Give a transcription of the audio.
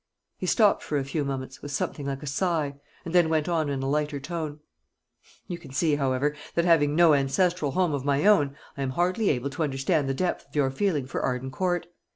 He stopped for a few moments, with something like a sigh, and then went on in a lighter tone: "You can see, however, that having no ancestral home of my own, I am hardly able to understand the depth of your feeling for Arden Court.